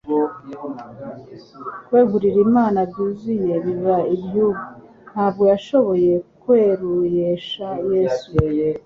kwegurirwa Imana byuzuye biba iby'ubu: Ntabwo yashoboye kuruesha Yesu.